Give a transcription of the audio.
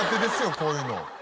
こういうの。